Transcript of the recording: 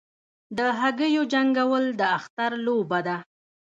د هګیو جنګول د اختر لوبه ده.